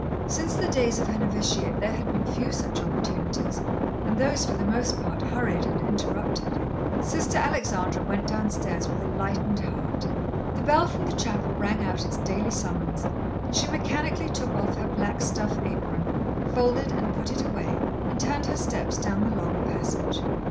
Since the days of her novitiate, there had been few such opportunities, and those for the most part hurried and interrupted. Sister Alexandra went downstairs with a lightened heart. The bell from the chapel rang out its daily summons, and she mechanically took off her black stuff apron, folded and put it away, and turned her steps down the long passage.